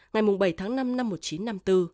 ngày bảy tháng năm năm một nghìn chín trăm năm mươi bốn